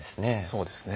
そうですね。